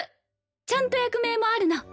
ちゃんと役名もあるの。